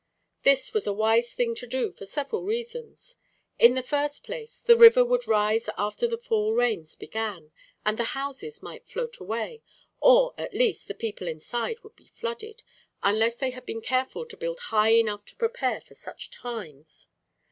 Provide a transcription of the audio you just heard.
This was a wise thing to do for several reasons. In the first place, the river would rise after the fall rains began, and the houses might float away, or, at least, the people inside would be flooded, unless they had been careful to build high enough to prepare for such times.